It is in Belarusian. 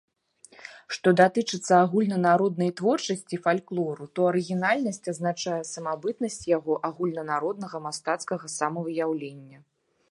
Што датычыцца агульнанароднай творчасці, фальклору, то арыгінальнасць азначае самабытнасць яго агульнанароднага, мастацкага самавыяўлення.